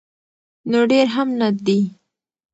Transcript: نو ډیر هم نه دي.